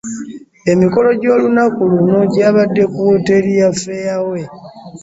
Emikolo gy'olunaku luno gyabadde ku wooteeri ya Fairway.